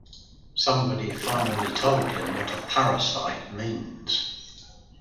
Somebody Finally Told Him What 'Parasite' Means.